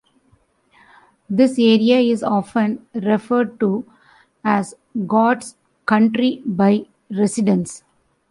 This area is often referred to as "God's Country" by residents.